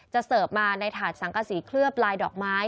เสิร์ฟมาในถาดสังกษีเคลือบลายดอกไม้